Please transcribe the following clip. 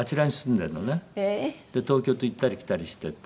で東京と行ったり来たりしてて。